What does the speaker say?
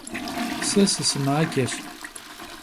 Se sısımaceş.